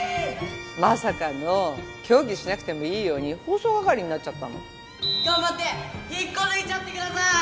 まさかの競技しなくてもいいように放送係になっちゃったの頑張って引っこ抜いちゃってください